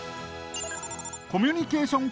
コミュニケーション